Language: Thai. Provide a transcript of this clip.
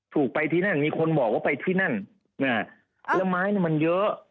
ถูกไปที่นั่นมีคนบอกว่าไปที่นั่นแล้วไม้เนี่ยมันเยอะ